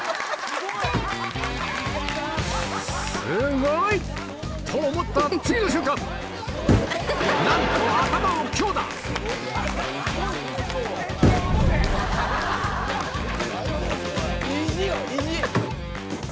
すごい！と思った次の瞬間なんと意地よ意地！